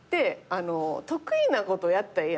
得意なことやったらええやん。